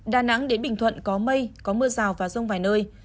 đà nẵng đến bình thuận có mây có mưa rào và rông vài nơi